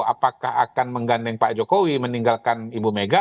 apakah akan menggandeng pak jokowi meninggalkan ibu mega